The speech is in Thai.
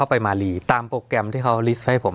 สวัสดีครับทุกผู้ชม